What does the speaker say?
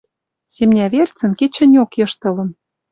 Семня верцӹн кечӹньок йыштылын